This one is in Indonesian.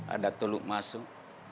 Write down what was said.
ada teluk masuk